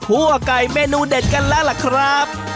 กล้วไก่เมนูเด็ดกันแล้วครับ